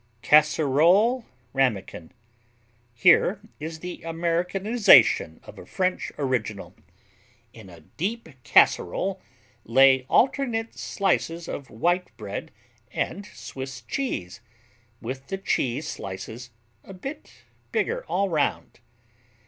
Casserole Ramekin Here is the Americanization of a French original: In a deep casserole lay alternate slices of white bread and Swiss cheese, with the cheese slices a bit bigger all around.